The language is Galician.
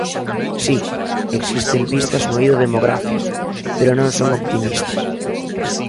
Si, existen pistas no eido demográfico, pero non son optimistas.